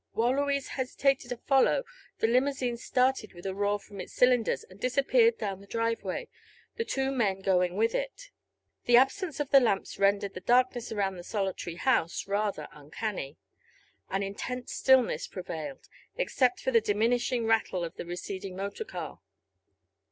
While Louise hesitated to follow the limousine started with a roar from its cylinders and disappeared down the driveway, the two men going with it. The absence of the lamps rendered the darkness around the solitary house rather uncanny. An intense stillness prevailed except for the diminishing rattle of the receding motor car.